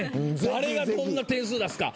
誰がこんな点数出すか。